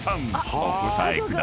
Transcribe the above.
お答えください］